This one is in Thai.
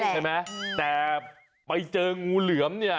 ใช่ไหมแต่ไปเจองูเหลือมเนี่ย